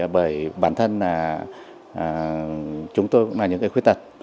bởi bản thân chúng tôi cũng là những người khuyết tật